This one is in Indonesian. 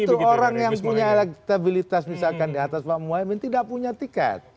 itu orang yang punya elektabilitas misalkan di atas pak muhaymin tidak punya tiket